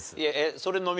それのみ？